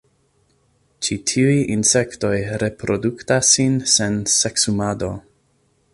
Ĉi tiuj insektoj reprodukas sin sen seksumado.